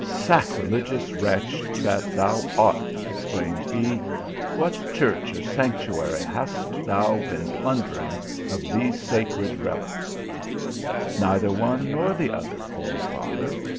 " Sacrilegious wretch that thou art," exclaimed he, " what church or sanctuary hast thou been plundering of these sacred reliques ?"" Neither one nor the other, holy father.